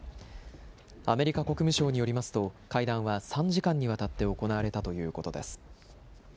アメリカ国務省によりますと、会談は３時間にわたって行われたということです。